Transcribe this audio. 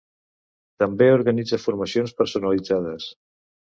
També organitza formacions personalitzades.